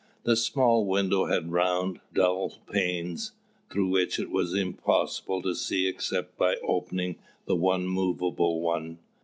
The small window had round dull panes, through which it was impossible to see except by opening the one moveable one.